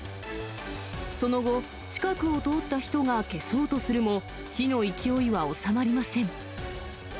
その後、近くを通った人が消そうとするも、火の勢いは収まりません。